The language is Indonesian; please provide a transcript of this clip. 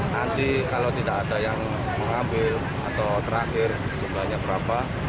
nanti kalau tidak ada yang mengambil atau terakhir jumlahnya berapa